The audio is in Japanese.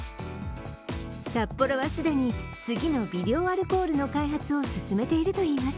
サッポロは既に次の微アルコールの開発を進めているといいます。